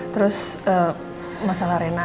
terus masalah reina